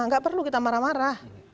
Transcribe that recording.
nggak perlu kita marah marah